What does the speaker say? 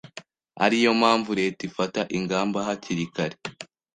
ari yo mpamvu Leta ifata ingamba hakiri kare